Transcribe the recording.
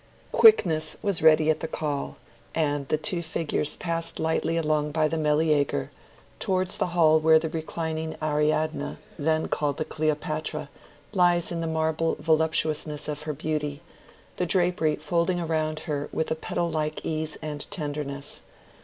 Quickness was ready at the call, and the two figures passed lightly along by the Meleager, towards the hall where the reclining Ariadne, then called the Cleopatra, lies in the marble voluptuousness of her beauty, the drapery folding around her with a petal like ease and tenderness.